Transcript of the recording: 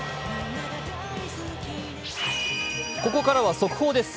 ここからは速報です。